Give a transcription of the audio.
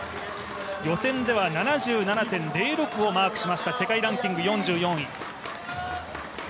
予選では７７．０６をマークしました世界ランキング４４位。